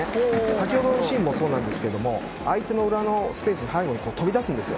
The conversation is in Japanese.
先ほどのシーンもそうですが相手の裏のスペース背後に飛び出すんです。